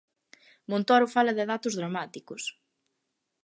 Montoro fala de datos dramáticos